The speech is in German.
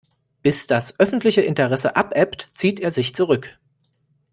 Bis das öffentliche Interesse abebbt, zieht er sich zurück.